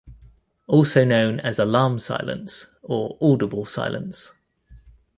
Also known as "alarm silence" or "audible silence".